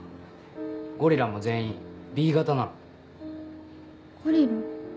ゴリラも全員Ｂ型なのゴリラ？